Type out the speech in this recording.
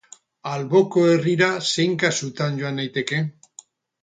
Alboko herrira zein kasutan joan naiteke?